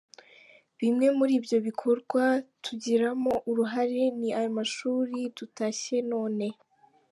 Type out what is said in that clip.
Bimwe muri ibyo bikorwa tugiramo uruhare ni aya mashuri dutashye none.